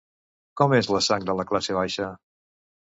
Com és la sang de la classe baixa?